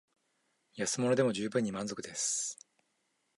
安物でも充分に満足です